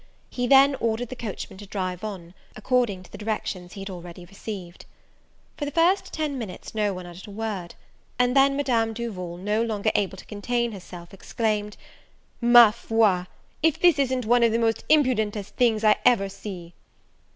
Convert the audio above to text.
He then ordered the coachman to drive on, according to the directions he had already received. For the first ten minutes no one uttered a word; and then, Madame Duval, no longer able to contain herself, exclaimed, "Ma foi, if this isn't one of the most impudentest things ever I see!"